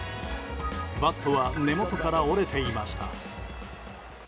バットは根元から折れていました。